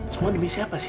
semua demi siapa sih